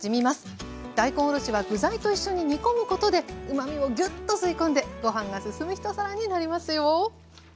大根おろしは具材と一緒に煮込むことでうまみをギュッと吸い込んでご飯がすすむ一皿になりますよ。